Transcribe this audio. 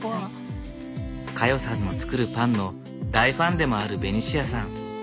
香代さんの作るパンの大ファンでもあるベニシアさん。